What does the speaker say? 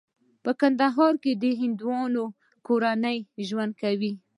په کندهار کې د هندوانو کورنۍ ژوند کوي.